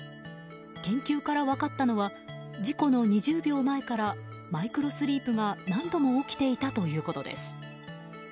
研究から分かったのは事故の２０秒前からマイクロスリープが何度も起きていたということです。